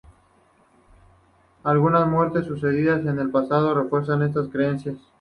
Algunas muertes sucedidas en el pasado refuerzan estas creencias.